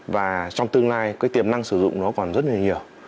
và trong tương lai cái tiềm năng sử dụng nó còn rất là nhiều